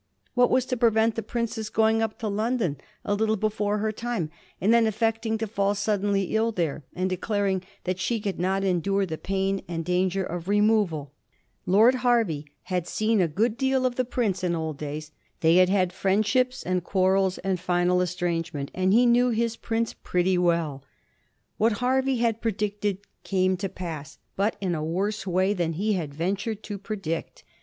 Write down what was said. What was to prevent the princess going up to London a little before her time, and then affecting to fall suddenly ill there, and declaring that she could not endure the pain and danger of removal ? Lord Hervey had seen a good deal of the prince in old days. They had had friendships and quar rels and final estrangement, and he knew his prince pret ty well. What Hervey had predicted came to pass, but in a worse way than he had ventured to predict.